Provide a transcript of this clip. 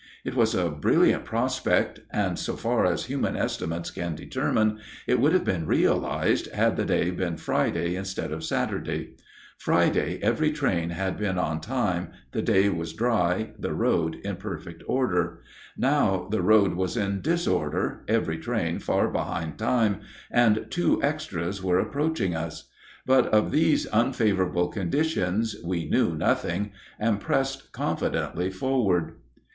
It was a brilliant prospect, and so far as human estimates can determine it would have been realized had the day been Friday instead of Saturday. Friday every train had been on time, the day dry, the road in perfect order. Now the road was in disorder, every train far behind time, and two "extras" were approaching us. But of these unfavorable conditions we knew nothing, and pressed confidently forward.